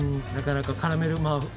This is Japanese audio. なかなか絡める。